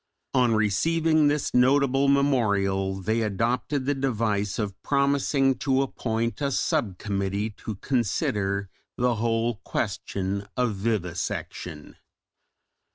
On receiving this notable memorial they adopted the device of promising to appoint a sub committee to consider the whole question of vivisection.